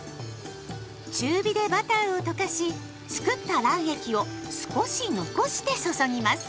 中火でバターを溶かし作った卵液を少し残して注ぎます。